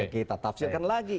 kita tafsirkan lagi